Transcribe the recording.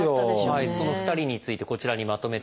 その２人についてこちらにまとめてみました。